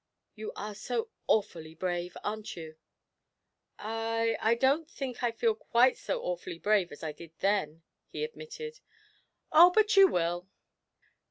You are so awfully brave aren't you?' 'I I don't think I feel quite so awfully brave as I did then,' he admitted. 'Ah, but you will.